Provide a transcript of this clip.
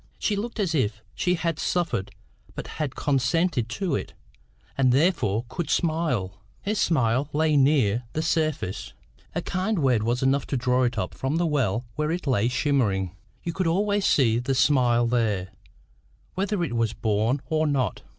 She looked as if she had suffered but had consented to it, and therefore could smile. Her smile lay near the surface. A kind word was enough to draw it up from the well where it lay shimmering: you could always see the smile there, whether it was born or not.